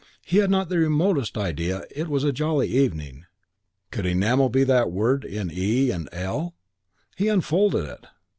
He had not the remotest idea It was a jolly evening.... could Enamel be that word in e and l? He unfolded it.